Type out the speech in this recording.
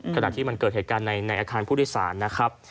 ขณะที่มันเกิดเหตุการณ์ในอาคารผู้โดยสารนะครับ